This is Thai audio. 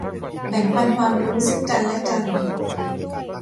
แบ่งปันความรู้ซึ่งกันและกัน